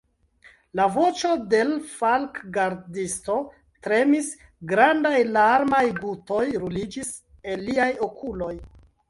La voĉo de l' falkgardisto tremis, grandaj larmaj gutoj ruliĝis el liaj okuloj.